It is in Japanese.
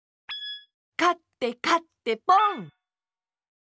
かってかってポン！